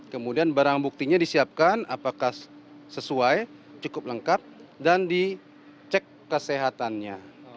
kemudian barang buktinya disiapkan apakah sesuai cukup lengkap dan dicek kesehatannya